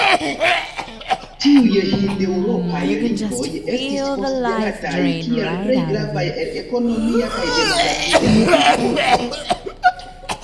Tiuj hindeŭropaj lingvoj estis konsiderataj kiel plej gravaj el ekonomia kaj demografia vidpunktoj.